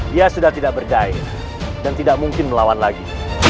dia sudah tidak berdaya dan tidak mungkin melawan lagi